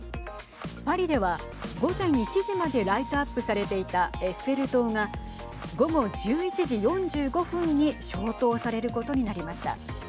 パリでは、午前１時までライトアップされていたエッフェル塔が午後１１時４５分に消灯されることになりました。